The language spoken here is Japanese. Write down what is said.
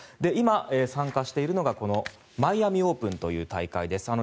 今、参加しているのがマイアミ・オープンという大会です。